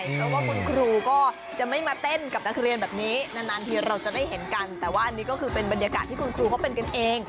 เพราะว่าคุณครูก็จะไม่มาเต้นกับนักเรียนแบบนี้นานทีเราจะได้เห็นกันแต่ว่าอันนี้ก็คือเป็นบรรยากาศที่คุณครูเขาเป็นกันเอง